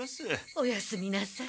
おやすみなさい。